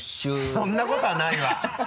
そんなことはないわ！